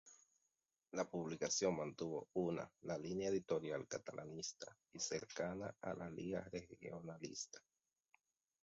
La publicación mantuvo una la línea editorial catalanista y cercana a la Lliga Regionalista.